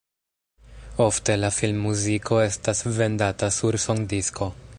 Ofte la filmmuziko estas vendata sur sondisko.